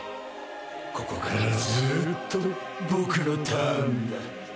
ここからずっと僕のターンだ。